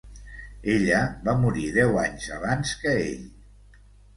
Ella va morir deu anys abans que ell.